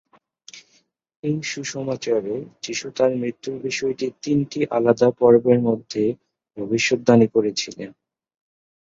এই সুসমাচারে, যিশু তাঁর মৃত্যুর বিষয়টি তিনটি আলাদা পর্বের মধ্যে ভবিষ্যদ্বাণী করেছিলেন।